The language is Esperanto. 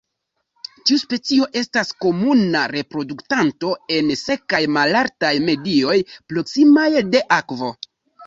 Tiu specio estas komuna reproduktanto en sekaj malaltaj medioj proksimaj de akvo.